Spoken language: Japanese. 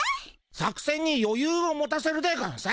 作せんによゆうを持たせるでゴンス。